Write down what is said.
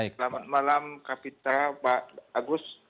selamat malam kapitra pak agus